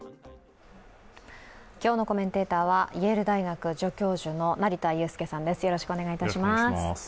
今日のコメンテーターはイェール大学助教授の成田悠輔さんです。